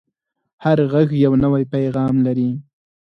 هر غږ یو نوی پیغام لري